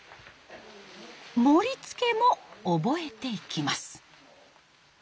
盛りつけも覚えていきます。